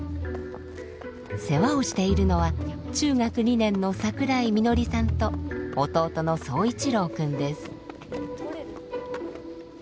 世話をしているのは中学２年の櫻井みのりさんと弟の奏一朗君です。